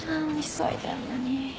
急いでんのに。